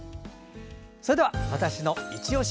それでは「＃わたしのいちオシ」